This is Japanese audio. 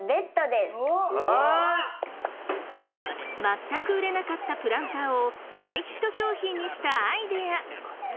全く売れなかったプランターを大ヒット商品にしたアイデア。